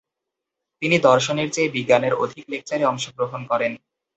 তিনি দর্শনের চেয়ে বিজ্ঞানের অধিক লেকচারে অংশগ্রহণ করেন।